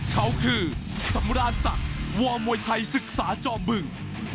เขาคือสำราญศักดิ์วอร์มวยไทยศึกษาจอมบึง